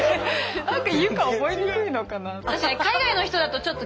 何か「佑果」覚えにくいのかなとか。